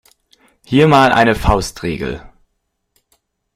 Hier mal eine Faustregel.